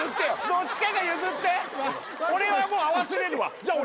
どっちかが譲って俺はもう合わせれるわじゃあ